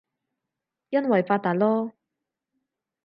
因爲發達囉